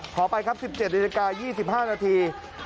ขอไปครับ๑๗นาฬิกา๒๕นาที